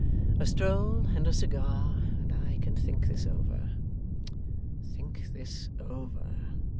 A stroll and a cigar, and I can think this over. Think this over.